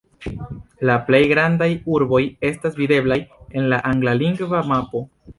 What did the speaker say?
La plej grandaj urboj estas videblaj en la anglalingva mapo.